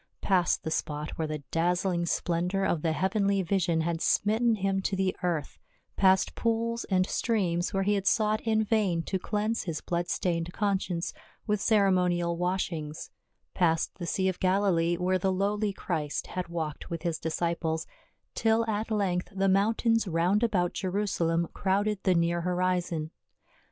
Past the spot where the dazzling splendor of the heavenly vision had smitten him to the earth, past pools and streams where he had sought in vain to cleanse his blood stained conscience with cere monial washings, past the sea of Galilee, where the lowly Christ had walked with his disciples, till at length the mountains round about Jerusalem crowded the near horizon.